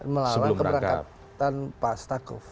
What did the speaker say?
melalui keberangkatan pak staquf